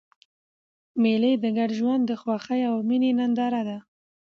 مېلې د ګډ ژوند د خوښۍ او میني ننداره ده.